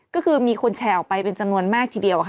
ก็คือมีคนแชร์ออกไปเป็นจำนวนมากทีเดียวค่ะ